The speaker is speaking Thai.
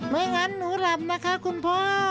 ไม่งั้นหนูหลับนะคะคุณพ่อ